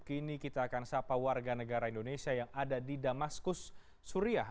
kini kita akan sapa warga negara indonesia yang ada di damaskus suriah